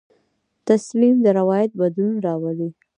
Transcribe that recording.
تسلیم د روایت بدلون راولي.